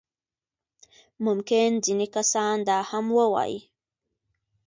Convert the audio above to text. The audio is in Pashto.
ممکن ځينې کسان دا هم ووايي.